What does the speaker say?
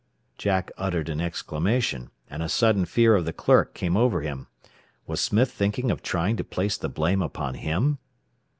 Jack uttered an exclamation, and a sudden fear of the clerk came over him. Was Smith thinking of trying to place the blame upon him?